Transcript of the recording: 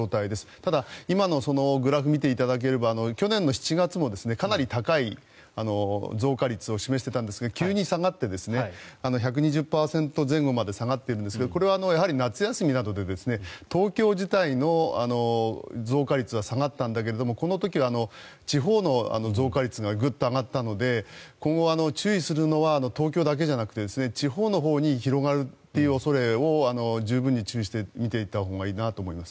ただ、今のそのグラフを見ていただければ去年の７月もかなり高い増加率を示していたんですが急に下がって１２０％前後まで下がっているんですけどこれはやはり夏休みなどで東京自体の増加率は下がったんだけれどもこの時は地方の増加率がグッと上がったので今後、注意するのは東京だけじゃなくて地方のほうに広がるという恐れを十分に注意して見ていったほうがいいなと思います。